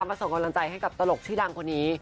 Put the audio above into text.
ต้องมาส่งกำลังใจให้กับตลกที่ดังคนนี้